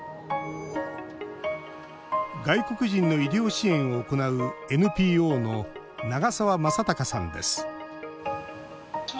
外国人の医療支援を行うＮＰＯの長澤正隆さんです。